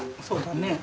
そうだね。